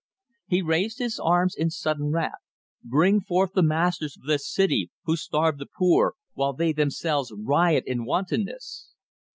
He raised his arms, in sudden wrath. "Bring forth the masters of this city, who starve the poor, while they themselves riot in wantonness!"